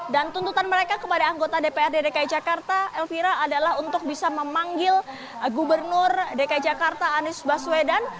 tuntutan mereka kepada anggota dprd dki jakarta elvira adalah untuk bisa memanggil gubernur dki jakarta anies baswedan